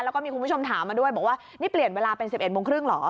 แล้วก็มีคุณผู้ชมถามมาด้วยบอกว่านี่เปลี่ยนเวลาเป็น๑๑โมงครึ่งเหรอ